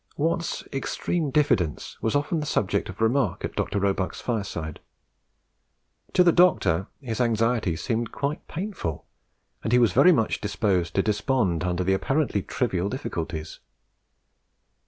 Watt's extreme diffidence was often the subject of remark at Dr. Roebuck's fireside. To the Doctor his anxiety seemed quite painful, and he was very much disposed to despond under apparently trivial difficulties.